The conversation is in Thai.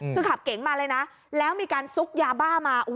คือขับเก๋งมาเลยนะแล้วมีการซุกยาบ้ามา